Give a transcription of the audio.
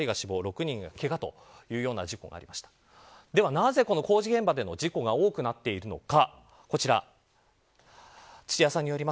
なぜ工事現場での事故が多くなっているのか。